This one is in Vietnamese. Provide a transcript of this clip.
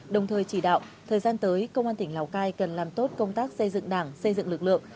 đồng thời chỉ đạo thời gian tới công an tỉnh lào cai cần làm tốt công tác xây dựng đảng xây dựng lực lượng